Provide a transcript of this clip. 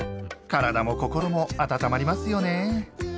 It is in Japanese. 体も心も温まりますよね。